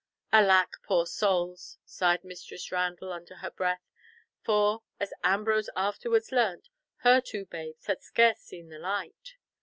"Alack! poor souls," sighed Mistress Randall under her breath, for, as Ambrose afterwards learnt, her two babes had scarce seen the light.